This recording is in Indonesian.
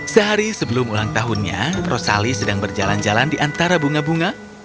sehari sebelum ulang tahunnya rosali sedang berjalan jalan di antara bunga bunga